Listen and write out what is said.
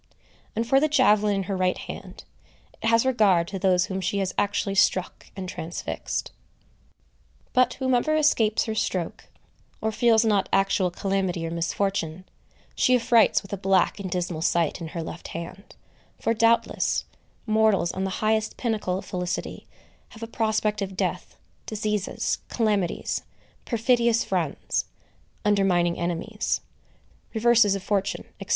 And for the javelin in her right hand, it has regard to those whom she has actually struck and transfixed. But whoever escapes her stroke, or feels not actual calamity or misfortune, she affrights with a black and dismal sight in her left hand; for doubtless, mortals on the highest pinnacle of felicity have a prospect of death, diseases, calamities, perfidious friends, undermining enemies, reverses of fortune, &c.